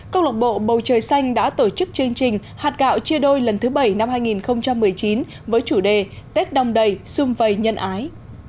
câu lộc bộ bầu trời xanh đã tổ chức chương trình hạt gạo chia đôi lần thứ bảy năm hai nghìn một mươi chín với chủ đề tết đông đầy xung vầy nhân ái